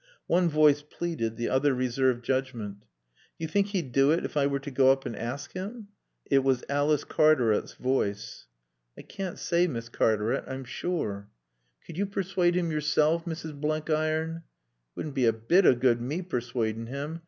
One voice pleaded, the other reserved judgment. "Do you think he'd do it if I were to go up and ask him?" It was Alice Cartaret's voice. "I caann't say, Miss Cartaret, I'm sure." "Could you persuade him yourself, Mrs. Blenkiron?" "It wouldn't be a bit of good me persuadin' him.